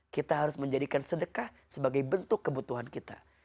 kita harus menjadikan sedekah sebagai bentuk kebutuhan kita